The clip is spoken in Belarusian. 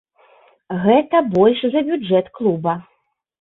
Гэта больш за бюджэт клуба.